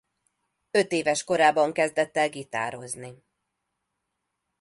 Ötéves korában kezdett el gitározni.